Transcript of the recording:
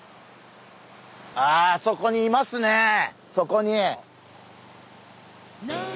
あそこにいますねそこに。